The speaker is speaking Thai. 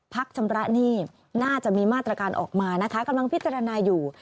ชำระหนี้น่าจะมีมาตรการออกมานะคะกำลังพิจารณาอยู่